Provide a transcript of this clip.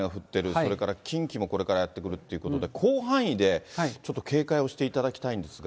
それから近畿もこれからやって来るということで、広範囲でちょっと警戒をしていただきたいんですが。